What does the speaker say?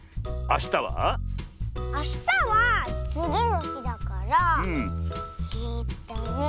あしたはつぎのひだからえっとね